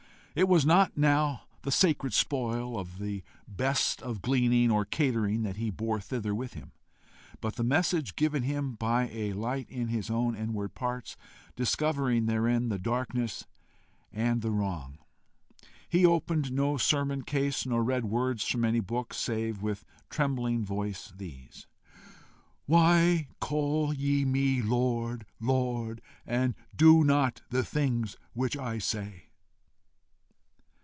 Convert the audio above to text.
It was not now the sacred spoil of the best of gleaning or catering that he bore thither with him, but the message given him by a light in his own inward parts, discovering therein the darkness and the wrong. He opened no sermon case, nor read words from any book, save, with trembling voice, these: "WHY CALL YE ME LORD, LORD, AND DO NOT THE THINGS WHICH I SAY?"